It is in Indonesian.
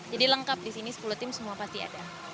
jadi lengkap di sini sepuluh tim semua pasti ada